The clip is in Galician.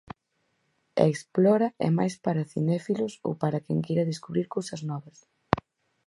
E Explora é máis para cinéfilos ou para quen queira descubrir cousas novas.